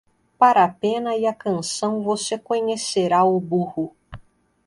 Para a pena e a canção você conhecerá o burro.